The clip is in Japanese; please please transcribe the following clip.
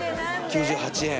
９８円。